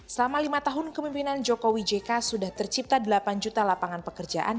selama lima tahun kemimpinan jokowi jk sudah tercipta delapan juta lapangan pekerjaan